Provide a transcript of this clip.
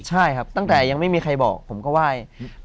ใช่ครับตั้งแต่ยังไม่มีใครบอกผมก็ไหว้